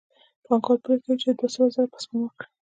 پانګوال پرېکړه کوي چې دوه سوه زره سپما کړي